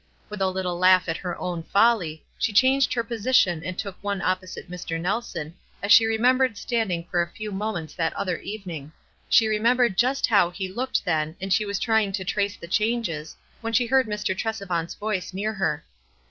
With a little laugh at her own folly, she changed her posi tion and took one opposite Mr. Kelson, as she remembered standing for a few moments that other evening. She remembered just how ho looked then, and she was trying to trace the changes, when she heard Mr. Tresevant's voice near her.